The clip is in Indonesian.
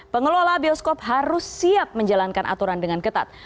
pengelola bioskop harus siap menjalankan aturan dengan ketat